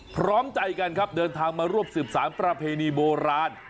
พร้อมใจกันครับเดินทางมารวบสืบสารประเพณีโบราณ